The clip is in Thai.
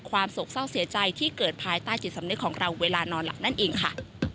โศกเศร้าเสียใจที่เกิดภายใต้จิตสำนึกของเราเวลานอนหลับนั่นเองค่ะ